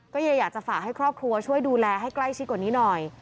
ก็เลยอยากจะฝากให้ครอบครัวช่วยดูแลให้ใกล้ชิดกว่านี้หน่อย